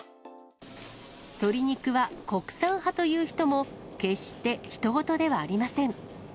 鶏肉は国産派という人も、決してひと事ではありません。